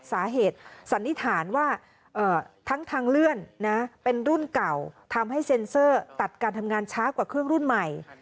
สันนิษฐานว่าทั้งทางเลื่อนนะเป็นรุ่นเก่าทำให้เซ็นเซอร์ตัดการทำงานช้ากว่าเครื่องรุ่นใหม่